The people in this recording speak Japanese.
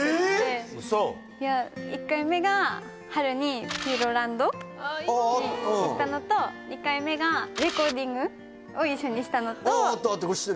嘘１回目が春にピューロランドに行ったのと２回目がレコーディングを一緒にしたのとあああったあった